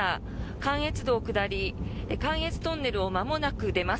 関越道下り関越トンネルをまもなく出ます。